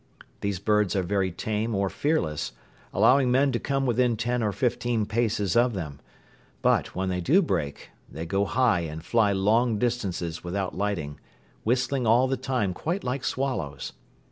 These birds are very tame or fearless, allowing men to come within ten or fifteen paces of them; but, when they do break, they go high and fly long distances without lighting, whistling all the time quite like swallows.